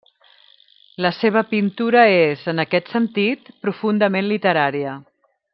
La seva pintura és, en aquest sentit, profundament literària.